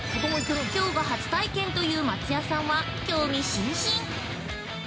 きょうが初体験という松也さんは興味津々！